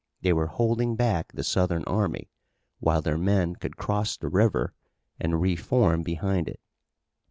They were holding back the Southern army, while their men could cross the river and reform behind it.